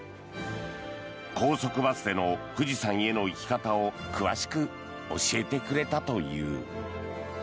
高速バスでの富士山への行き方を詳しく教えてくれたという。